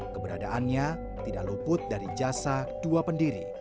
keberadaannya tidak luput dari jasa dua pendiri